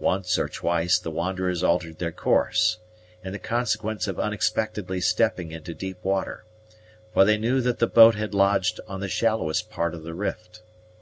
Once or twice the wanderers altered their course, in consequence of unexpectedly stepping into deep water; for they knew that the boat had lodged on the shallowest part of the rift.